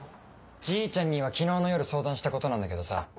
じいちゃんには昨日の夜相談したことなんだけどさ。